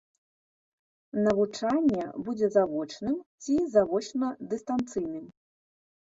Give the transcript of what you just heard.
Навучанне будзе завочным ці завочна-дыстанцыйным.